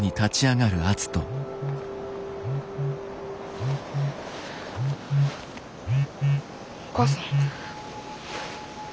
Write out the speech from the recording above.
お母さん。